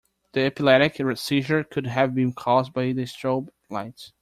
The epileptic seizure could have been cause by the strobe lights.